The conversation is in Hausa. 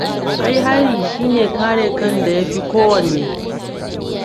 Kai hari shine kare kan da yafi kowanne.